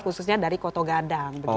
khususnya dari koto gadang